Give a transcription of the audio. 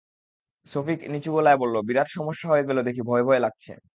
সফিক নিচু গলায় বলল, বিরাট সমস্যা হয়ে গেল দেখি ভয়ভয় লাগছে।